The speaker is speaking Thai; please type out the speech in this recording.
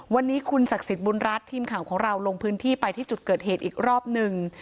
วันนี้คุณศักดิ์สิทธิ์บุญรัฐทีมข่าวของเราลงพื้นที่ไปที่จุดเกิดเหตุอีกรอบหนึ่ง